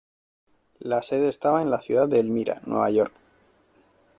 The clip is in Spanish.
La sede estaba en la ciudad de Elmira, Nueva York.